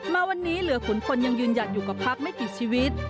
มาวันนี้เหลือขุนพลยังยืนหยัดอยู่กับพักไม่กี่ชีวิต